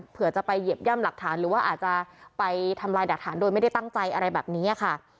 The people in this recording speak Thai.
เพื่อจะไปเหยียบย่ำหลักฐานหรือว่าอาจจะไปทำลายหลักฐานโดยไม่ได้ตั้งใจอะไรแบบนี้ค่ะ